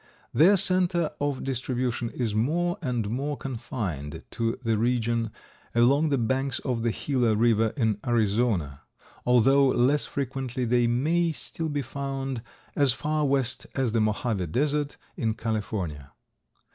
Their center of distribution is more and more confined to the region along the banks of the Gila river in Arizona, although less frequently they may still be found as far west as the Mojave desert in California.